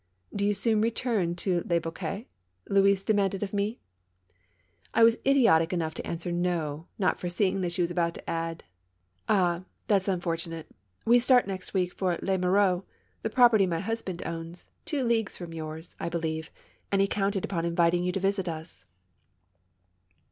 Do you soon return to Le Boquet ?" Louise de manded of me. I was idiotic enough to answer no, not foreseeing that she was about to add :' "Ah! that's unfortunate! We start next week for Les Mureaux, the property my husband owns, two leagues from yours, I believe, and he counted upon inviting you to visit^us j " 48 THE MAISONS LAFFITTE RACES.